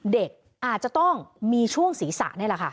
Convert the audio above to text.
เด็กอาจจะต้องมีช่วงศีรษะนี่แหละค่ะ